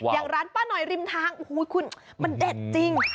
อย่างร้านป้าหน่อยริมทางมันเด็ดจริง